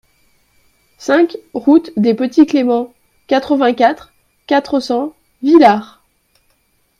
cinq route des Petits Cléments, quatre-vingt-quatre, quatre cents, Villars